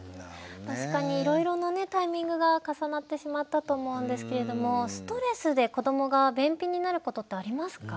確かにいろいろなタイミングが重なってしまったと思うんですけれどもストレスで子どもが便秘になることってありますか？